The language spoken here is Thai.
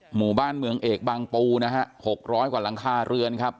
หมู่บ้านเมืองเอกบางปูนะฮะ๖๐๐กว่าหลังคาเรือนครับ